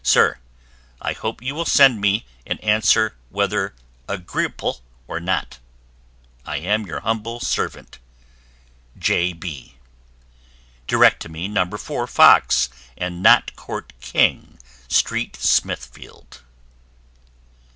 Sir i hope you Will Send me an Answer Weather Agreeple or not. I am your Humble Servant, J. B. Direct to me No. 4 fox and Knot Court King Street Smithfield.